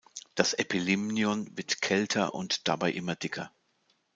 Das Epilimnion wird kälter und dabei immer dicker.